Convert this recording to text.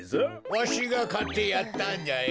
わしがかってやったんじゃよ。